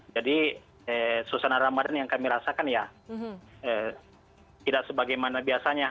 jadi suasana ramadan yang kami rasakan ya tidak sebagaimana biasanya